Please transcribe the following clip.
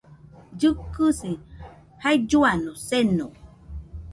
Llɨkɨsi jailluano seno